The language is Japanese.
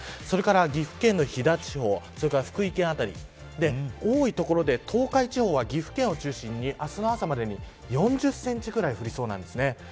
それから岐阜県の飛騨地方や福井県辺り多い所で東海地方は岐阜県を中心に明日の朝までに４０センチくらい降りそうなんです。